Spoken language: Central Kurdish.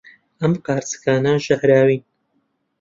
ئەم قارچکانە ژەهراوین.